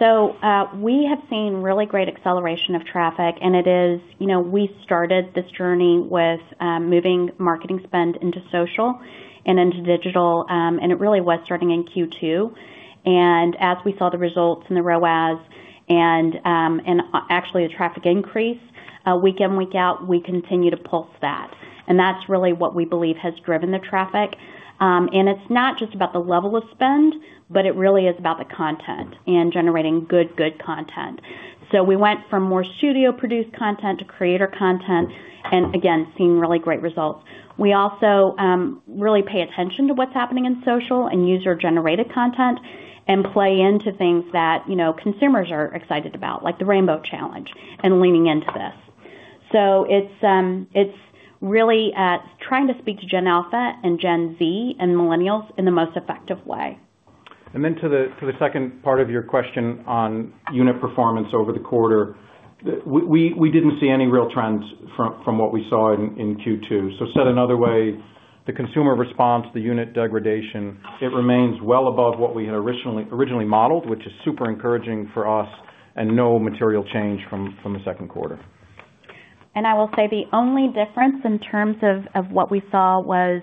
So we have seen really great acceleration of traffic. And we started this journey with moving marketing spend into social and into digital. And it really was starting in Q2. And as we saw the results in the ROAS and actually the traffic increase, week in, week out, we continue to pulse that. And that's really what we believe has driven the traffic. And it's not just about the level of spend, but it really is about the content and generating good, good content. So we went from more studio-produced content to creator content and, again, seeing really great results. We also really pay attention to what's happening in social and user-generated content and play into things that consumers are excited about, like the Rainbow Challenge and leaning into this. It's really trying to speak to Gen Alpha and Gen Z and Millennials in the most effective way. And then, to the second part of your question on unit performance over the quarter, we didn't see any real trends from what we saw in Q2. So, said another way, the consumer response, the unit degradation, it remains well above what we had originally modeled, which is super encouraging for us, and no material change from the second quarter. And I will say the only difference in terms of what we saw was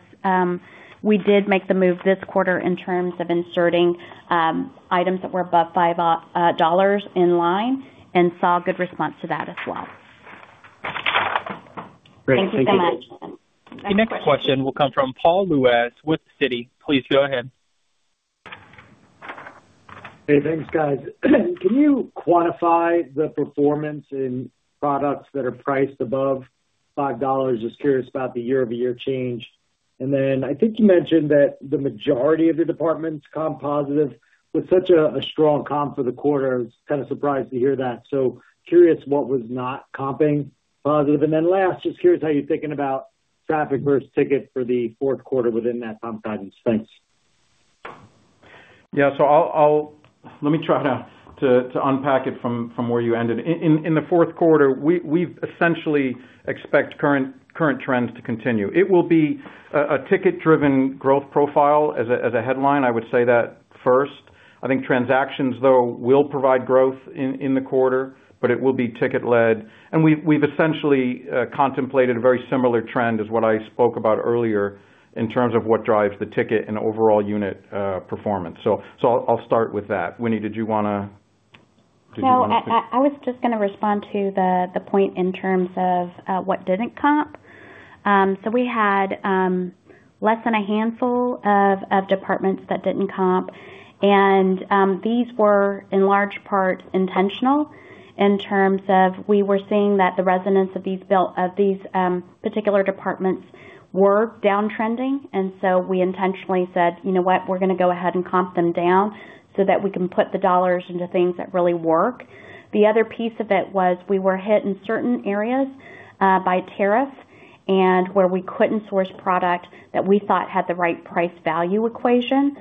we did make the move this quarter in terms of inserting items that were above $5 in line and saw good response to that as well. Great. Thank you so much. Your next question will come from Paul Lejuez with Citi. Please go ahead. Hey, thanks, guys. Can you quantify the performance in products that are priced above $5? Just curious about the year-over-year change. And then I think you mentioned that the majority of your departments comp positive with such a strong comp for the quarter. I was kind of surprised to hear that. So curious what was not comping positive. And then last, just curious how you're thinking about traffic versus ticket for the fourth quarter within that comp guidance. Thanks. Yeah. So let me try to unpack it from where you ended. In the fourth quarter, we essentially expect current trends to continue. It will be a ticket-driven growth profile as a headline. I would say that first. I think transactions, though, will provide growth in the quarter, but it will be ticket-led. And we've essentially contemplated a very similar trend as what I spoke about earlier in terms of what drives the ticket and overall unit performance. So I'll start with that. Winnie, did you want to? I was just going to respond to the point in terms of what didn't comp. We had less than a handful of departments that didn't comp. These were in large part intentional in terms of we were seeing that the resonance of these particular departments were downtrending. We intentionally said, "You know what? We're going to go ahead and comp them down so that we can put the dollars into things that really work." The other piece of it was we were hit in certain areas by tariffs and where we couldn't source product that we thought had the right price-value equation.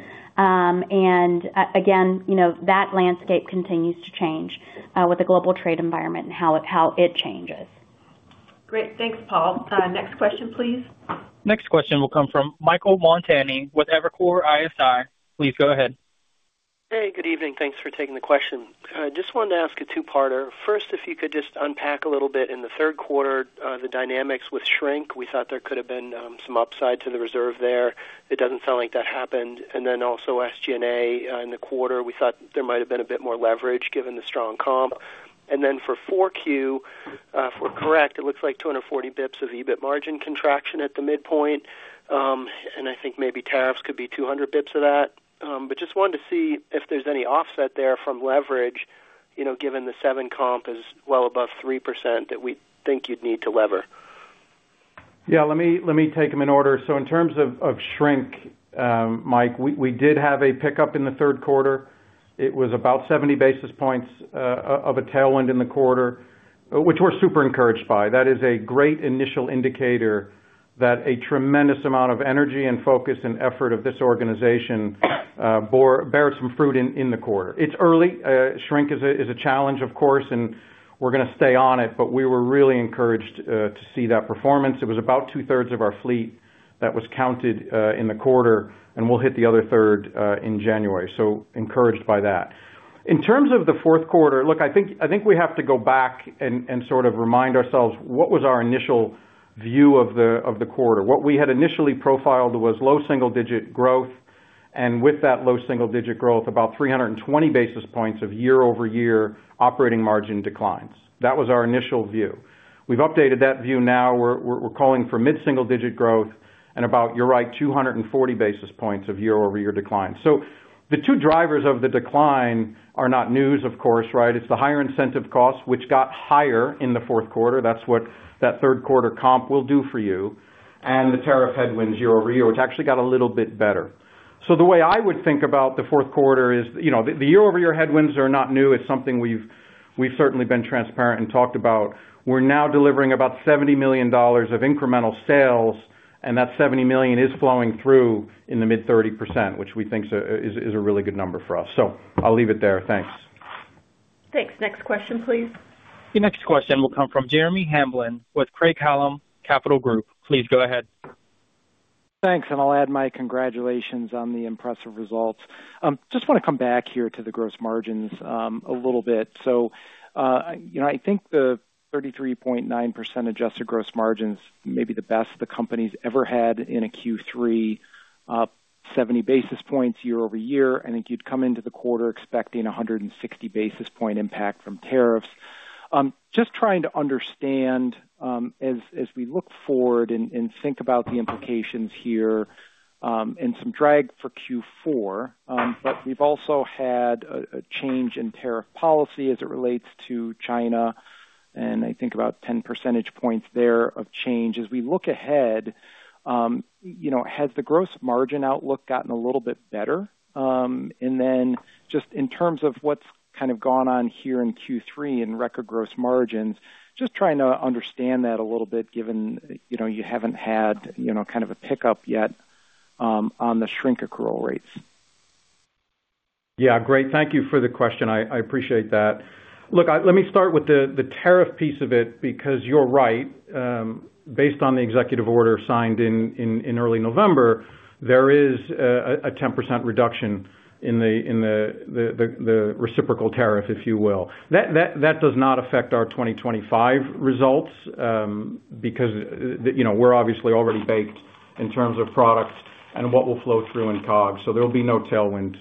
Again, that landscape continues to change with the global trade environment and how it changes. Great. Thanks, Paul. Next question, please. Next question will come from Michael Montani with Evercore ISI. Please go ahead. Hey, good evening. Thanks for taking the question. I just wanted to ask a two-parter. First, if you could just unpack a little bit in the third quarter, the dynamics with shrink. We thought there could have been some upside to the reserve there. It doesn't sound like that happened. And then also SG&A in the quarter, we thought there might have been a bit more leverage given the strong comp. And then for Q4, if we're correct, it looks like 240 basis points of EBIT margin contraction at the midpoint. And I think maybe tariffs could be 200 basis points of that. But just wanted to see if there's any offset there from leverage given the 7% comp is well above 3% that we think you'd need to lever. Yeah. Let me take them in order. So in terms of shrink, Mike, we did have a pickup in the third quarter. It was about 70 basis points of a tailwind in the quarter, which we're super encouraged by. That is a great initial indicator that a tremendous amount of energy and focus and effort of this organization bore some fruit in the quarter. It's early. Shrink is a challenge, of course, and we're going to stay on it. But we were really encouraged to see that performance. It was about two-thirds of our fleet that was counted in the quarter, and we'll hit the other third in January. So encouraged by that. In terms of the fourth quarter, look, I think we have to go back and sort of remind ourselves what was our initial view of the quarter. What we had initially profiled was low single-digit growth. And with that low single-digit growth, about 320 basis points of year-over-year operating margin declines. That was our initial view. We've updated that view now. We're calling for mid-single-digit growth and about, you're right, 240 basis points of year-over-year declines. So the two drivers of the decline are not news, of course, right? It's the higher incentive costs, which got higher in the fourth quarter. That's what that third quarter comp will do for you. And the tariff headwinds year-over-year, which actually got a little bit better. So the way I would think about the fourth quarter is the year-over-year headwinds are not new. It's something we've certainly been transparent and talked about. We're now delivering about $70 million of incremental sales, and that $70 million is flowing through in the mid-30%, which we think is a really good number for us. So I'll leave it there. Thanks. Thanks. Next question, please. Your next question will come from Jeremy Hamblin with Craig-Hallum Capital Group. Please go ahead. Thanks. And I'll add my congratulations on the impressive results. Just want to come back here to the gross margins a little bit. So I think the 33.9% adjusted gross margins may be the best the company's ever had in a Q3, 70 basis points year-over-year. I think you'd come into the quarter expecting 160 basis point impact from tariffs. Just trying to understand as we look forward and think about the implications here and some drag for Q4. But we've also had a change in tariff policy as it relates to China. And I think about 10 percentage points there of change. As we look ahead, has the gross margin outlook gotten a little bit better? And then just in terms of what's kind of gone on here in Q3 in record gross margins, just trying to understand that a little bit given you haven't had kind of a pickup yet on the shrink accrual rates. Yeah. Great. Thank you for the question. I appreciate that. Look, let me start with the tariff piece of it because you're right. Based on the executive order signed in early November, there is a 10% reduction in the reciprocal tariff, if you will. That does not affect our 2025 results because we're obviously already baked in terms of product and what will flow through in COGS. So there will be no tailwind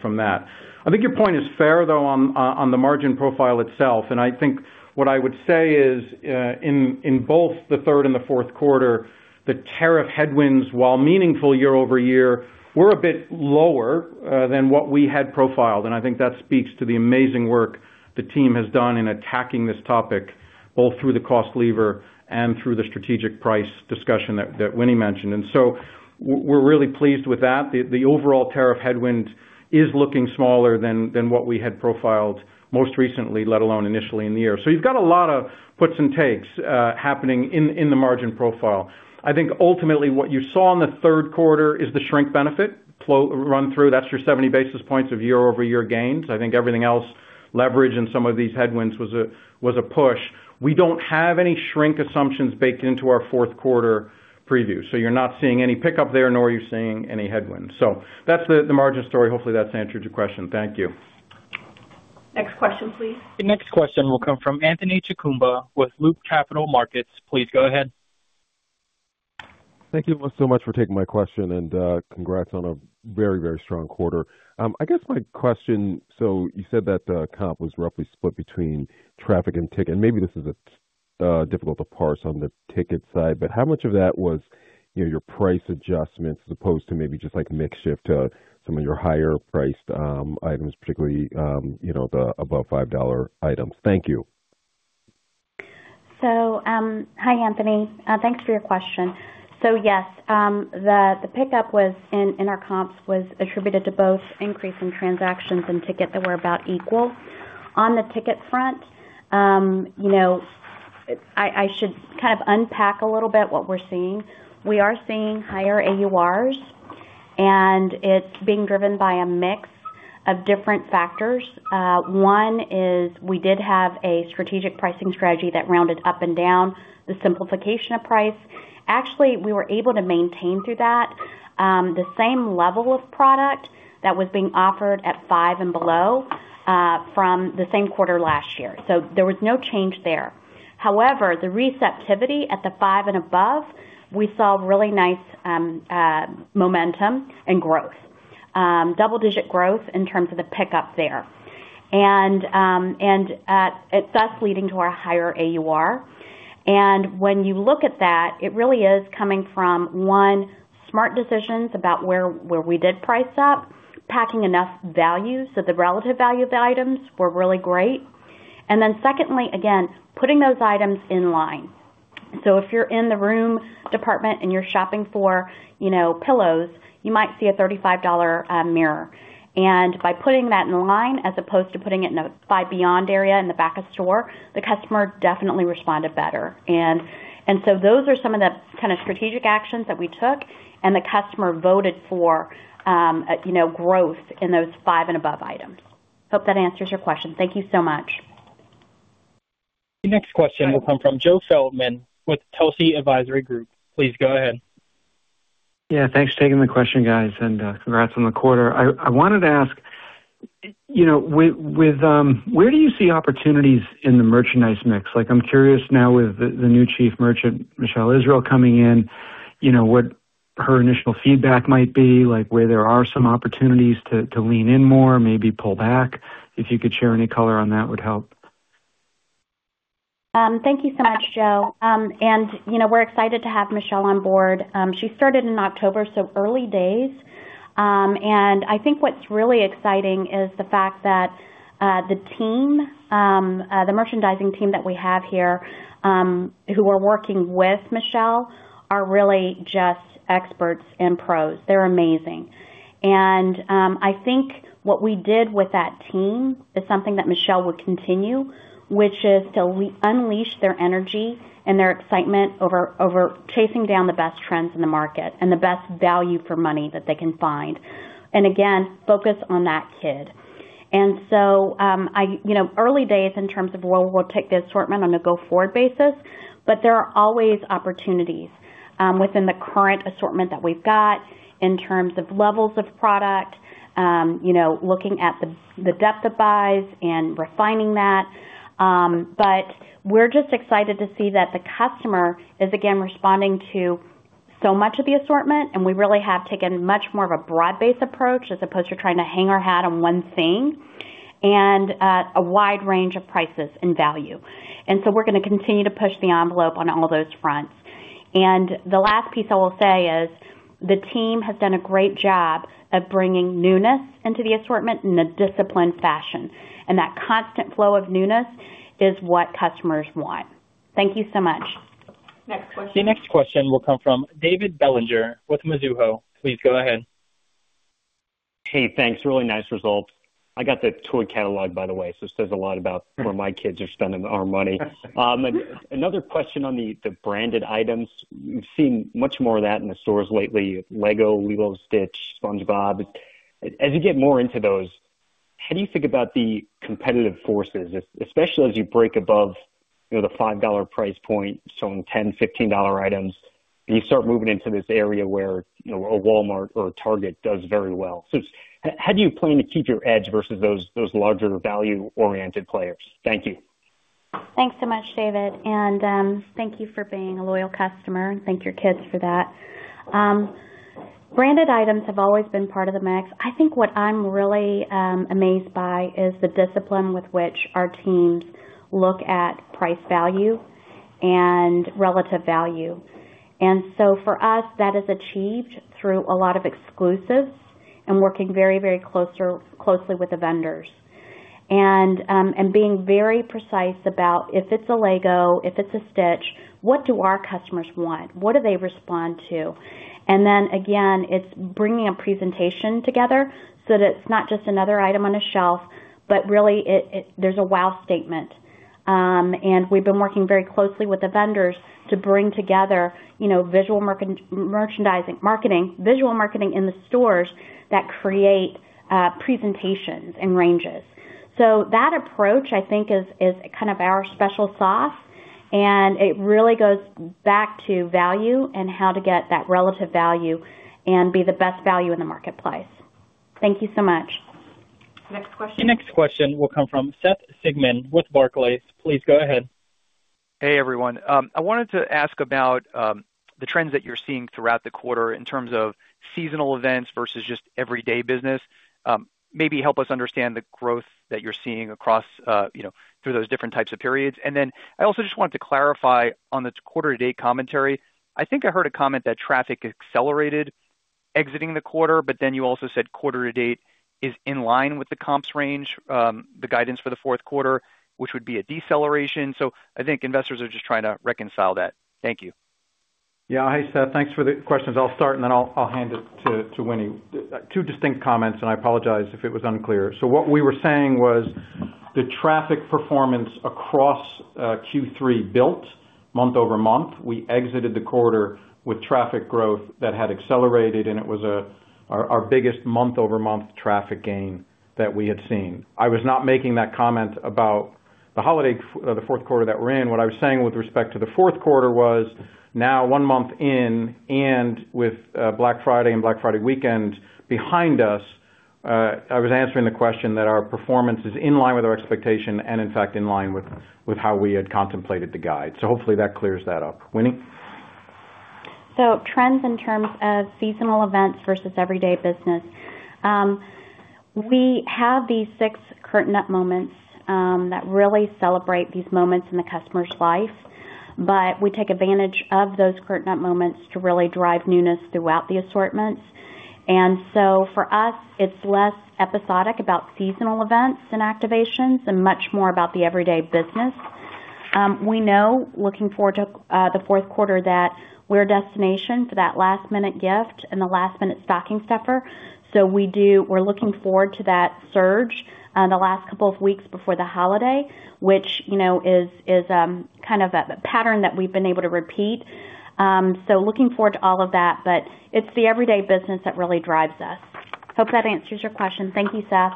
from that. I think your point is fair, though, on the margin profile itself. And I think what I would say is in both the third and the fourth quarter, the tariff headwinds, while meaningful year-over-year, were a bit lower than what we had profiled. And I think that speaks to the amazing work the team has done in attacking this topic both through the cost lever and through the strategic price discussion that Winnie mentioned. And so we're really pleased with that. The overall tariff headwind is looking smaller than what we had profiled most recently, let alone initially in the year. So you've got a lot of puts and takes happening in the margin profile. I think ultimately what you saw in the third quarter is the shrink benefit run-through. That's your 70 basis points of year-over-year gains. I think everything else, leverage and some of these headwinds, was a push. We don't have any shrink assumptions baked into our fourth quarter preview. So you're not seeing any pickup there, nor are you seeing any headwinds. So that's the margin story. Hopefully, that's answered your question. Thank you. Next question, please. Your next question will come from Anthony Chukumba with Loop Capital Markets. Please go ahead. Thank you so much for taking my question and congrats on a very, very strong quarter. I guess my question. So you said that the comp was roughly split between traffic and ticket. And maybe this is difficult to parse on the ticket side. But how much of that was your price adjustments as opposed to maybe just like mix shift to some of your higher-priced items, particularly the above $5 items? Thank you. So hi, Anthony. Thanks for your question. So yes, the pickup in our comps was attributed to both increase in transactions and ticket that were about equal. On the ticket front, I should kind of unpack a little bit what we're seeing. We are seeing higher AURs, and it's being driven by a mix of different factors. One is we did have a strategic pricing strategy that rounded up and down the simplification of price. Actually, we were able to maintain through that the same level of product that was being offered at five and below from the same quarter last year. So there was no change there. However, the receptivity at the five and above, we saw really nice momentum and growth, double-digit growth in terms of the pickup there. And that's leading to our higher AUR. And when you look at that, it really is coming from, one, smart decisions about where we did price up, packing enough value so the relative value of the items were really great. And then secondly, again, putting those items in line. So if you're in the Room department and you're shopping for pillows, you might see a $35 mirror. And by putting that in line as opposed to putting it in a Five Beyond area in the back of store, the customer definitely responded better. And so those are some of the kind of strategic actions that we took, and the customer voted for growth in those five and above items. Hope that answers your question. Thank you so much. Your next question will come from Joe Feldman with Telsey Advisory Group. Please go ahead. Yeah. Thanks for taking the question, guys. And congrats on the quarter. I wanted to ask, where do you see opportunities in the merchandise mix? I'm curious now with the new chief merchant, Michelle Israel, coming in, what her initial feedback might be, where there are some opportunities to lean in more, maybe pull back. If you could share any color on that would help. Thank you so much, Joe. We're excited to have Michelle on board. She started in October, so early days, and I think what's really exciting is the fact that the team, the merchandising team that we have here, who are working with Michelle, are really just experts and pros. They're amazing, and I think what we did with that team is something that Michelle will continue, which is to unleash their energy and their excitement over chasing down the best trends in the market and the best value for money that they can find and, again, focus on that kid, and so early days in terms of, "Well, we'll take the assortment on a go-forward basis," but there are always opportunities within the current assortment that we've got in terms of levels of product, looking at the depth of buys and refining that. But we're just excited to see that the customer is, again, responding to so much of the assortment, and we really have taken much more of a broad-based approach as opposed to trying to hang our hat on one thing and a wide range of prices and value. And so we're going to continue to push the envelope on all those fronts. And the last piece I will say is the team has done a great job of bringing newness into the assortment in a disciplined fashion. And that constant flow of newness is what customers want. Thank you so much. Next question. Your next question will come from David Bellinger with Mizuho. Please go ahead. Hey, thanks. Really nice results. I got the toy catalog, by the way, so it says a lot about where my kids are spending our money. Another question on the branded items. We've seen much more of that in the stores lately: LEGO, Lilo & Stitch, SpongeBob. As you get more into those, how do you think about the competitive forces, especially as you break above the $5 price point, selling $10, $15 items, and you start moving into this area where a Walmart or a Target does very well? So how do you plan to keep your edge versus those larger value-oriented players? Thank you. Thanks so much, David. And thank you for being a loyal customer. Thank your kids for that. Branded items have always been part of the mix. I think what I'm really amazed by is the discipline with which our teams look at price value and relative value. And so for us, that is achieved through a lot of exclusives and working very, very closely with the vendors and being very precise about if it's a LEGO, if it's a Stitch, what do our customers want? What do they respond to? And then, again, it's bringing a presentation together so that it's not just another item on a shelf, but really there's a wow statement. And we've been working very closely with the vendors to bring together visual marketing, visual marketing in the stores that create presentations and ranges. So that approach, I think, is kind of our special sauce. And it really goes back to value and how to get that relative value and be the best value in the marketplace. Thank you so much. Next question. Your next question will come from Seth Sigman with Barclays. Please go ahead. Hey, everyone. I wanted to ask about the trends that you're seeing throughout the quarter in terms of seasonal events versus just everyday business. Maybe help us understand the growth that you're seeing across through those different types of periods. And then I also just wanted to clarify on the quarter-to-date commentary. I think I heard a comment that traffic accelerated exiting the quarter, but then you also said quarter-to-date is in line with the comps range, the guidance for the fourth quarter, which would be a deceleration. So I think investors are just trying to reconcile that. Thank you. Yeah. Hi, Seth. Thanks for the questions. I'll start, and then I'll hand it to Winnie. Two distinct comments, and I apologize if it was unclear. So what we were saying was the traffic performance across Q3 built month over month. We exited the quarter with traffic growth that had accelerated, and it was our biggest month-over-month traffic gain that we had seen. I was not making that comment about the holiday, the fourth quarter that we're in. What I was saying with respect to the fourth quarter was now one month in and with Black Friday and Black Friday weekend behind us, I was answering the question that our performance is in line with our expectation and, in fact, in line with how we had contemplated the guide. So hopefully, that clears that up. Winnie? So, trends in terms of seasonal events versus everyday business. We have these six current hot moments that really celebrate these moments in the customer's life, but we take advantage of those current hot moments to really drive newness throughout the assortments. And so for us, it's less episodic about seasonal events and activations and much more about the everyday business. We know, looking forward to the fourth quarter, that we're a destination for that last-minute gift and the last-minute stocking stuffer. So, we're looking forward to that surge the last couple of weeks before the holiday, which is kind of a pattern that we've been able to repeat. So, looking forward to all of that, but it's the everyday business that really drives us. Hope that answers your question. Thank you, Seth.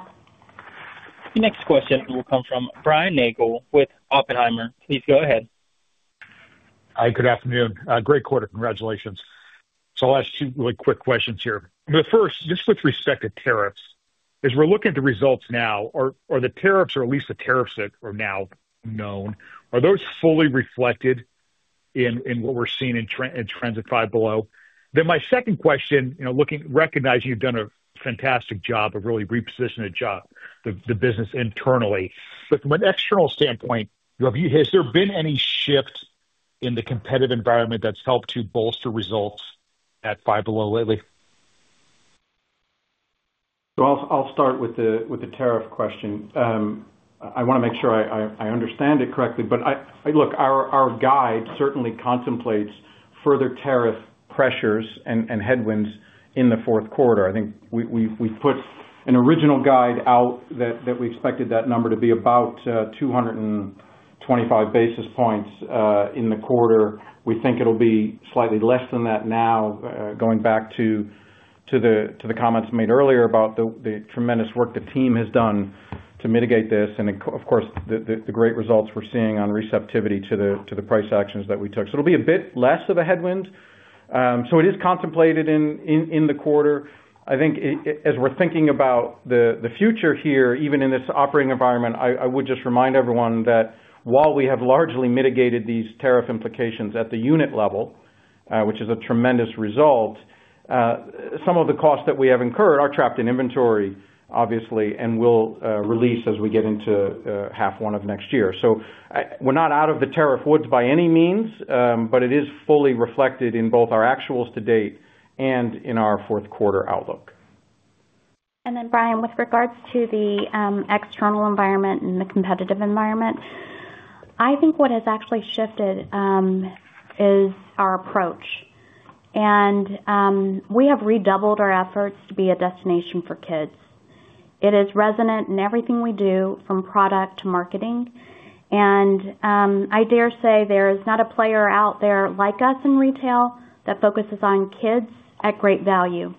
Your next question will come from Brian Nagel with Oppenheimer. Please go ahead. Hi. Good afternoon. Great quarter. Congratulations. So I'll ask two really quick questions here. The first, just with respect to tariffs, as we're looking at the results now, are the tariffs, or at least the tariffs that are now known, are those fully reflected in what we're seeing in trends at Five Below? Then my second question, recognizing you've done a fantastic job of really repositioning the business internally. But from an external standpoint, has there been any shift in the competitive environment that's helped to bolster results at Five Below lately? So I'll start with the tariff question. I want to make sure I understand it correctly. But look, our guide certainly contemplates further tariff pressures and headwinds in the fourth quarter. I think we put an original guide out that we expected that number to be about 225 basis points in the quarter. We think it'll be slightly less than that now, going back to the comments made earlier about the tremendous work the team has done to mitigate this and, of course, the great results we're seeing on receptivity to the price actions that we took. So it'll be a bit less of a headwind. So it is contemplated in the quarter. I think as we're thinking about the future here, even in this operating environment, I would just remind everyone that while we have largely mitigated these tariff implications at the unit level, which is a tremendous result, some of the costs that we have incurred are trapped in inventory, obviously, and will release as we get into half one of next year. So we're not out of the tariff woods by any means, but it is fully reflected in both our actuals to date and in our fourth quarter outlook. And then, Brian, with regards to the external environment and the competitive environment, I think what has actually shifted is our approach. And we have redoubled our efforts to be a destination for kids. It is resonant in everything we do, from product to marketing. And I dare say there is not a player out there like us in retail that focuses on kids at great value.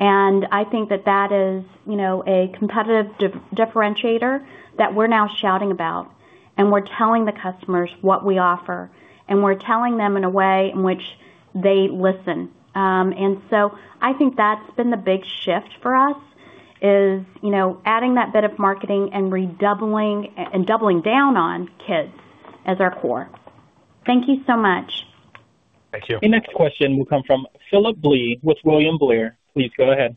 And I think that that is a competitive differentiator that we're now shouting about, and we're telling the customers what we offer, and we're telling them in a way in which they listen. And so I think that's been the big shift for us, is adding that bit of marketing and doubling down on kids as our core. Thank you so much. Thank you. Your next question will come from Phillip Blee with William Blair. Please go ahead.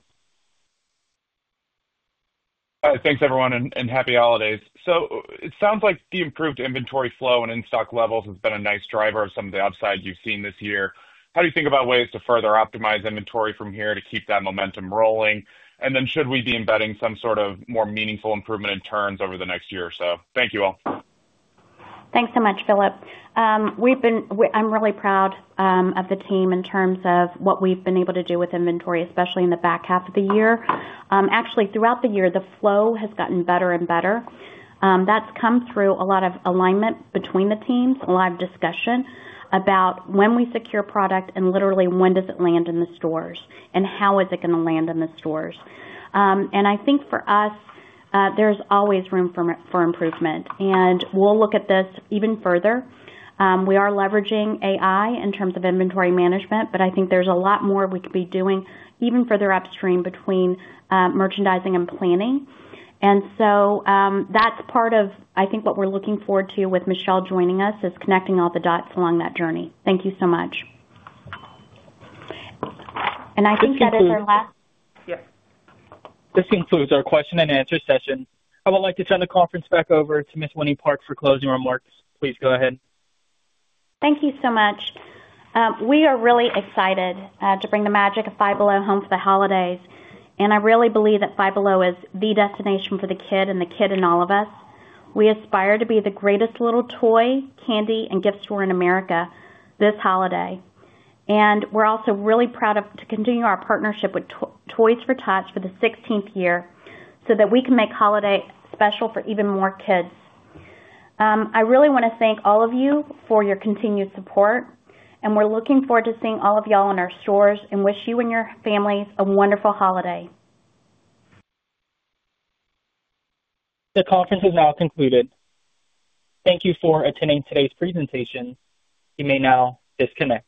Hi. Thanks, everyone, and happy holidays. So it sounds like the improved inventory flow and in-stock levels have been a nice driver of some of the upside you've seen this year. How do you think about ways to further optimize inventory from here to keep that momentum rolling? And then should we be embedding some sort of more meaningful improvement in turns over the next year or so? Thank you all. Thanks so much, Phillip. I'm really proud of the team in terms of what we've been able to do with inventory, especially in the back half of the year. Actually, throughout the year, the flow has gotten better and better. That's come through a lot of alignment between the teams, a lot of discussion about when we secure product and literally when does it land in the stores and how is it going to land in the stores. And I think for us, there's always room for improvement. And we'll look at this even further. We are leveraging AI in terms of inventory management, but I think there's a lot more we could be doing even further upstream between merchandising and planning. And so that's part of, I think, what we're looking forward to with Michelle joining us, is connecting all the dots along that journey. Thank you so much. I think that is our last. Yes. This concludes our question and answer session. I would like to turn the conference back over to Ms. Winnie Park for closing remarks. Please go ahead. Thank you so much. We are really excited to bring the magic of Five Below home for the holidays. And I really believe that Five Below is the destination for the kid and the kid in all of us. We aspire to be the greatest little toy, candy, and gift store in America this holiday. And we're also really proud to continue our partnership with Toys for Tots for the 16th year so that we can make holiday special for even more kids. I really want to thank all of you for your continued support. And we're looking forward to seeing all of y'all in our stores and wish you and your families a wonderful holiday. The conference is now concluded. Thank you for attending today's presentation. You may now disconnect.